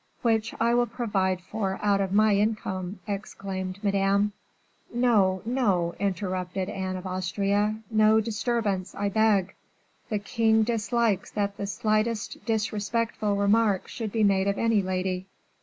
"Which I will provide for out of my income," exclaimed Madame. "No, no," interrupted Anne of Austria, "no disturbance, I beg. The king dislikes that the slightest disrespectful remark should be made of any lady.